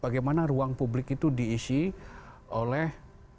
bagaimana ruang publik itu diisi oleh